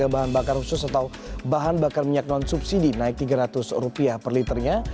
bahan bakar khusus atau bahan bakar minyak non subsidi naik rp tiga ratus per liternya